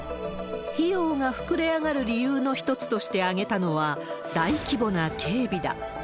費用が膨れ上がる理由の一つとして挙げたのは、大規模な警備だ。